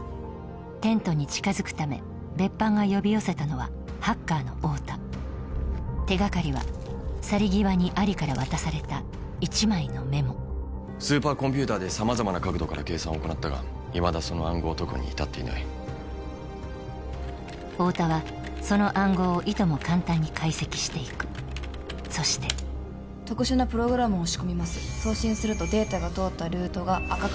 テントに近付くため、別班が呼び寄せたのはハッカーの太田手掛かりは去り際にアリから渡された一枚のメモスーパーコンピューターで様々な角度から計算を行ったがいまだその暗号を解くに至っていない太田はその暗号をいとも簡単に解析していくそして特殊なプログラムを仕込みます送信するとデータが通ったルートが赤くなります